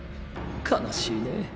悲しいね。